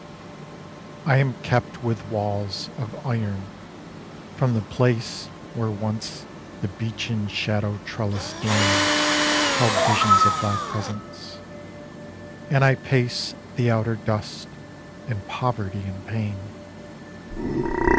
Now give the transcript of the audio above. THE EXILE. I AM kept with walls of iron from the place Where once the beechen shadow trellised lane Held visions of thy presence, and I pace The outer dust in poverty and pain.